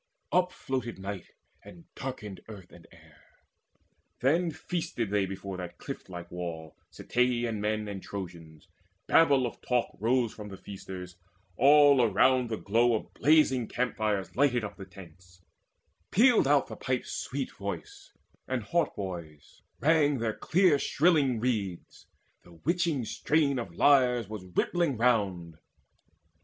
Upfloated night, and darkened earth and air; Then feasted they before that cliff like wall, Ceteian men and Trojans: babel of talk Rose from the feasters: all around the glow Of blazing campfires lighted up the tents: Pealed out the pipe's sweet voice, and hautboys rang With their clear shrilling reeds; the witching strain Of lyres was rippling round.